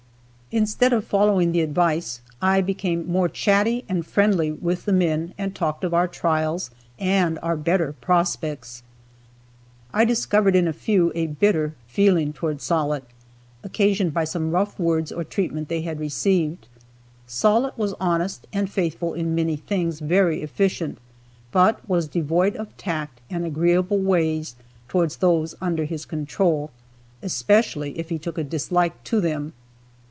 Instead of following the advice, I became more chatty and friendly with the men and talked of our trials and our better prospects. I discovered in a few a bitter feeling toward Sollitt, occasioned by some rough words or treatment they had received. Sollitt was honest and faithful and in many things very efficient, but was devoid of tact and agreeable ways toward those under his control, especially if he took a dislike to them.